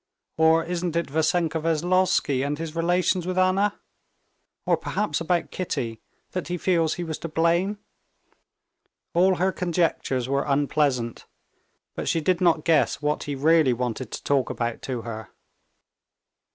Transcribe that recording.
Or isn't it Vassenka Veslovsky and his relations with Anna? Or perhaps about Kitty, that he feels he was to blame?" All her conjectures were unpleasant, but she did not guess what he really wanted to talk about to her.